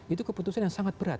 itu keputusan yang sangat berat